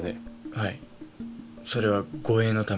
はいそれは護衛のために。